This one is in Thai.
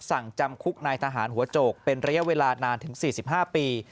สั่งจำคุกนายทหารหัวโจกเป็นระยะเวลานานถึง๔๕ปี